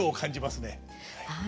はい。